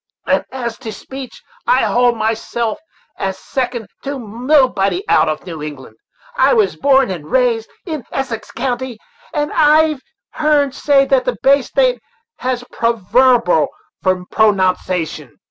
And as to speech, I hold myself as second to nobody out of New England. I was born and raised in Essex County; and I've always heern say that the Bay State was provarbal for pronounsation!"